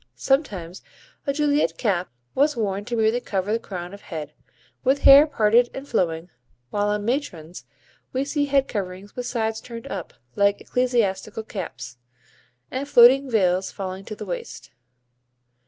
Sometimes a Juliet cap was worn to merely cover the crown of head, with hair parted and flowing, while on matrons we see head coverings with sides turned up, like ecclesiastical caps, and floating veils falling to the waist.